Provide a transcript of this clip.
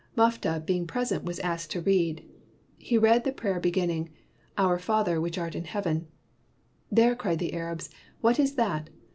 Mufta being present was asked to read. He read the prayer beginning, "Our Father which art in heaven." "There," cried the Arabs, "what is that?